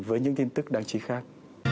với những tin tức đáng chí khác